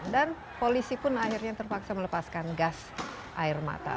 dan polisi pun akhirnya terpaksa melepaskan gas air mata